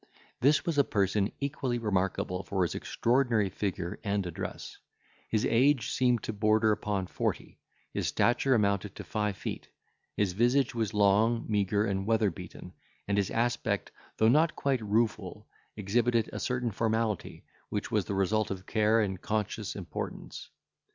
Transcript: This was a person equally remarkable for his extraordinary figure and address; his age seemed to border upon forty, his stature amounted to five feet, his visage was long, meagre, and weather beaten, and his aspect, though not quite rueful, exhibited a certain formality, which was the result of care and conscious importance.